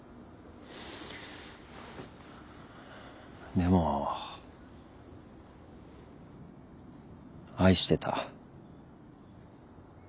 でも愛してた。